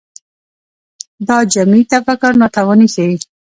دا جمعي تفکر ناتواني ښيي